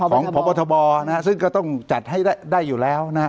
ของพบซึ่งก็ต้องจัดให้ได้อยู่แล้ว